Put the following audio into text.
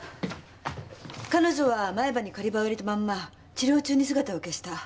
彼女は前歯に仮歯を入れたまんま治療中に姿を消した。